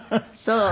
そう。